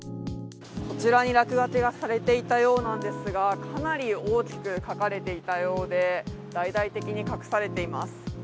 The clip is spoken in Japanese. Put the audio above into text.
こちらに落書きがされていたようなんですが、かなり大きく書かれていたようで、大々的に隠されています。